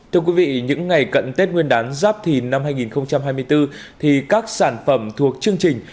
thưa quý vị những ngày cận tết nguyên đán giáp thìn năm hai nghìn hai mươi bốn thì các sản phẩm thuộc chương trình